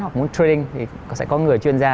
hoặc muốn trading thì sẽ có người chuyên gia